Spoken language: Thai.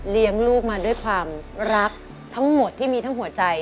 ลูกมาด้วยความรักทั้งหมดที่มีทั้งหัวใจ